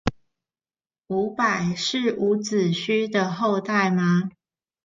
伍佰是伍子胥的後代嗎？